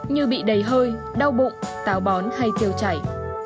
như bị đầy hơi đau bụng táo bón hay tiêu chảy